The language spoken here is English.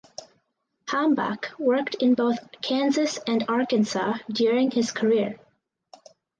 Hambach worked in both Kansas and Arkansas during his career.